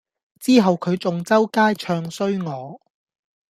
之後佢仲周街唱衰我